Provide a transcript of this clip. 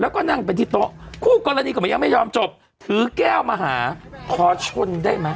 แล้วก็นั่งไปที่โต๊ะคู่กรณีก็ยังไม่ยอมจบถือแก้วมาหาขอชนได้ไหม